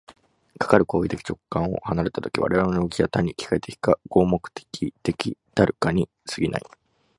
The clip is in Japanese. かかる行為的直観を離れた時、我々の働きは単に機械的か合目的的たるかに過ぎない。